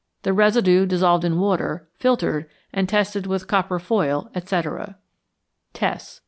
The residue dissolved in water, filtered, and tested with copper foil, etc. _Tests.